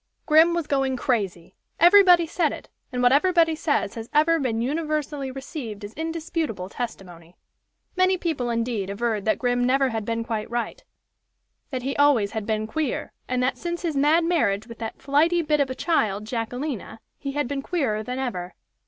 Grim was going crazy! Everybody said it, and what everybody says has ever been universally received as indisputable testimony. Many people, indeed, averred that Grim never had been quite right that he always had been queer, and that since his mad marriage with that flighty bit of a child, Jacquelina, he had been queerer than ever.